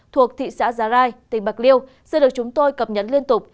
thuộc thị xã già rai tỉnh bạc liêu sẽ được chúng tôi cập nhấn liên tục